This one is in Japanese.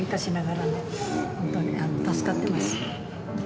ホントに助かってます。